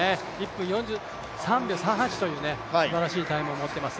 １分４３秒３８というすばらしいタイムを持っています。